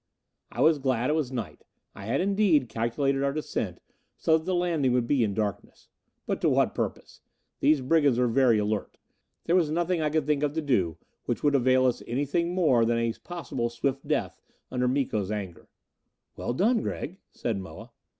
I was glad it was night I had, indeed, calculated our descent so that the landing would be in darkness. But to what purpose? These brigands were very alert. There was nothing I could think of to do which would avail us anything more than a possible swift death under Miko's anger. "Well done, Gregg!" said Moa.